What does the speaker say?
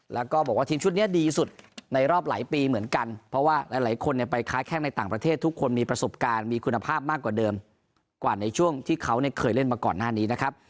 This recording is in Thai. แล้วก็บอกว่าทีมชุดนี้ดีสุดในรอบหลายปีเหมือนกันเพราะว่าหลายคนไปค้าแข้งในต่างประเทศทุกคนมีประสบการณ์มีคุณภาพมากกว่าเดิมกว่าในช่วงที่เขาเคยเล่นมาก่อนหน้านี้นะครับ